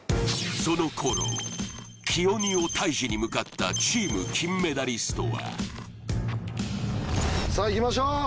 その頃黄鬼をタイジに向かったチーム金メダリストはさあいきましょう！